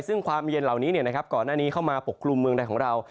ซึ่งความเย็นเหล่านี้ก่อนหน้านี้เข้ามาปกกลุ่มเมืองไทยของเรา